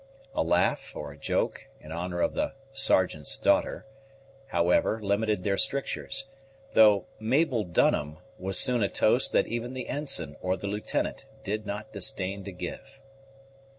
A laugh, or a joke, in honor of the "Sergeant's daughter," however, limited their strictures; though "Mabel Dunham" was soon a toast that even the ensign, or the lieutenant, did not disdain to give.